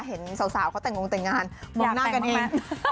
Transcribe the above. เห็นสาวเขาแต่งงแต่งงานมองหน้ากันเอง